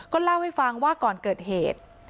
เล่าให้ฟังว่าก่อนเกิดเหตุ